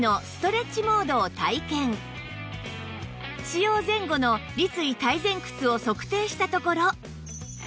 使用前後の立位体前屈を測定したところ